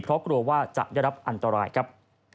เพราะกลัวว่าจะได้รับอันตรายครับ